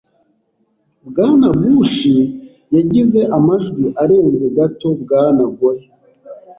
Bwana Bush yagize amajwi arenze gato Bwana Gore. .